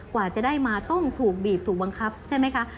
กว่าจะได้มาต้องถูกบีบถูกบังคับใช่ไหมคะ